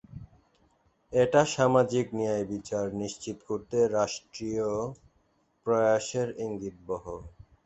এটা সামাজিক ন্যায়বিচার নিশ্চিত করতে রাষ্ট্রীয় প্রয়াসের ইঙ্গিতবহ।